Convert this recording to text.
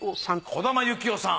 児玉幸雄さん。